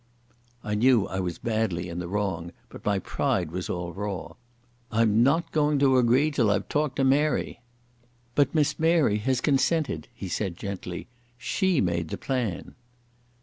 I knew I was badly in the wrong, but my pride was all raw. "I'm not going to agree till I've talked to Mary." "But Miss Mary has consented," he said gently. "She made the plan."